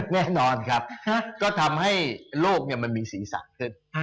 แน่นอนครับก็ทำให้โลกมันมีศีรษะขึ้น